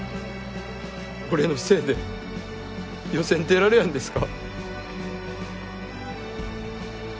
俺のせいで予選出られやんですか？